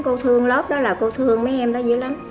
cô thương lớp đó là cô thương mấy em đó dữ lắm